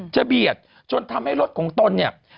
เบียดจนทำให้รถของตนเนี่ย